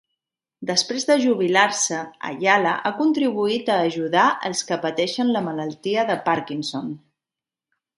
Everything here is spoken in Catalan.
Després de jubilar-se, Ayala ha contribuït a ajudar els que pateixen la malaltia de Parkinson.